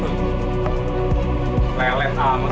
ke dengan jumlah light